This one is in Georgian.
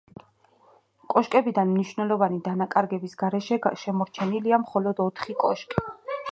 კოშკებიდან მნიშვნელოვანი დანაკარგების გარეშე შემორჩენილია მხოლოდ ოთხი კოშკი.